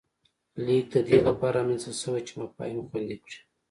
لیک د دې له پاره رامنځته شوی چې مفاهیم خوندي کړي